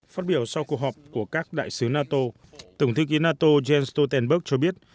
phát biểu sau cuộc họp của các đại sứ nato tổng thư ký nato jens stoltenberg cho biết